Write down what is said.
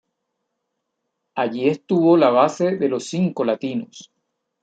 Allí estuvo la base de los Cinco Latinos.